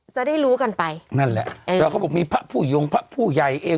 จะได้รู้กันไปนั่นแหละแล้วเขาบอกมีพระผู้ยงพระผู้ใหญ่เอง